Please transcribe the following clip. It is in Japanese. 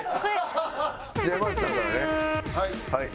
はい。